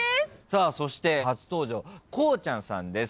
そして初登場こうちゃんさんです。